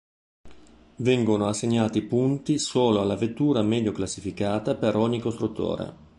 Vengono assegnati punti solo alla vettura meglio classificata per ogni costruttore.